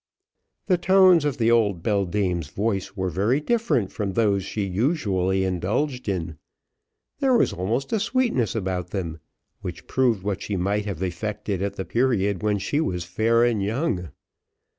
The tones of the old beldame's voice were very different from those she usually indulged in; there was almost a sweetness about them, which proved what she might have effected at the period when she was fair and young.